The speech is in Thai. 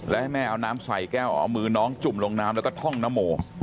และให้แม่เอาน้ำใส่แก้วเอามือน้องจุ่มลงน้ำแล้วก็ท่องนโม